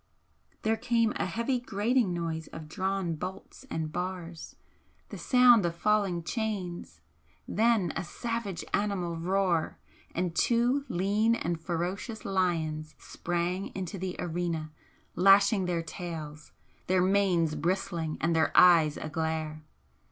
There came a heavy grating noise of drawn bolts and bars the sound of falling chains then a savage animal roar and two lean and ferocious lions sprang into the arena, lashing their tails, their manes bristling and their eyes aglare.